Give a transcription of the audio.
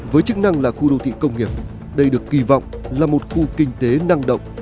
với chức năng là khu đô thị công nghiệp đây được kỳ vọng là một khu kinh tế năng động